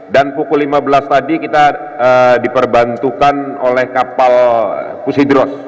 dan pukul lima belas tadi kita diperbantukan oleh kapal pusidros